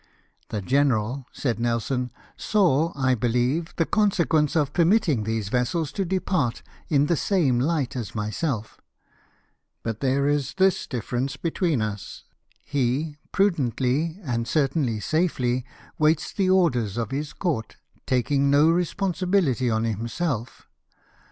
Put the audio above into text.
"The general," said Nelson, " saw, I believe, the conse quence of permitting these vessels to depart in the same Hght as myself; but there is this difierence between us : he, prudently, and certainly safely, waits the orders of his court, taking no responsibility on himself.